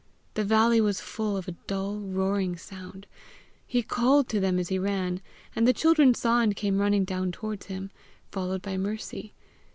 The valley was full of a dull roaring sound. He called to them as he ran, and the children saw and came running down toward him, followed by Mercy.